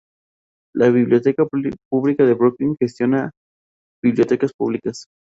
La Biblioteca Pública de Brooklyn gestiona bibliotecas públicas.